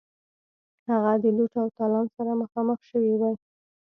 هغه د لوټ او تالان سره مخامخ شوی وای.